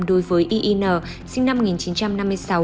đối với iin sinh năm một nghìn chín trăm năm mươi sáu